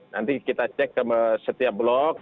nanti kita cek ke setiap blok